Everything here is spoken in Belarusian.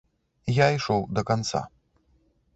Я ішоў да канца.